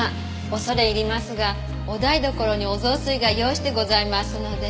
恐れ入りますがお台所におぞうすいが用意してございますので。